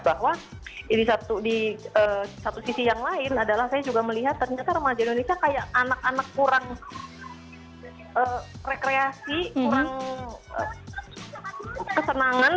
bahwa di satu sisi yang lain adalah saya juga melihat ternyata remaja indonesia kayak anak anak kurang rekreasi kurang kesenangan